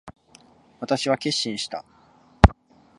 私は決心した。